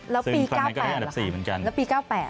แล้วปี๙๘เหรอครับแล้วปี๙๘